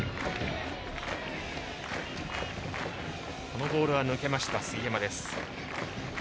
このボールは抜けた杉山です。